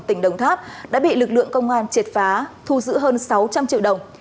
tỉnh đồng tháp đã bị lực lượng công an triệt phá thu giữ hơn sáu trăm linh triệu đồng